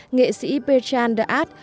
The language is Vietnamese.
nghệ sĩ pechan de art